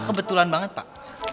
kebetulan banget pak